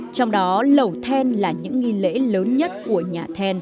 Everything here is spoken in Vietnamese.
trong đó lẩu then là những nghi lễ lớn nhất của nhà then